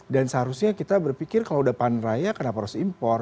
dan seharusnya kita berpikir kalau sudah panen raya kenapa harus impor